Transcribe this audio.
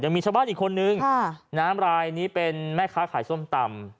มีชาวบ้านอีกคนนึงน้ำรายนี้เป็นแม่ค้าขายส้มตำ